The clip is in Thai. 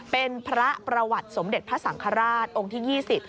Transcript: เป็นพระประวัติสมเด็จพระสังฆราชองค์ที่๒๐